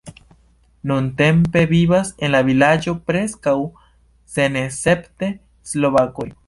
Nuntempe vivas en la vilaĝo preskaŭ senescepte slovakoj.